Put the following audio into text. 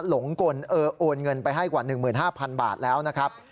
หลงกลเออโอนเงินไปให้กว่าหนึ่งหมื่นห้าพันบาทแล้วนะครับ